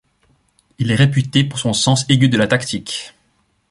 Il est réputé pour son sens aigu de la tactique.